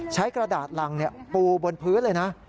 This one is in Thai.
กระดาษรังปูบนพื้นเลยนะ